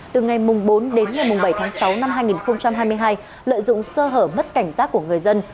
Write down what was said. từ ngày bốn bảy sáu hai nghìn hai mươi hai lợi dụng sơ hở mất cảnh giác của người dân